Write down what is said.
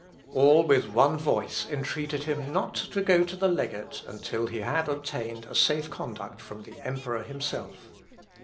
All with one voice entreated him not to go to the legate until he had obtained a safe conduct from the Emperor himself.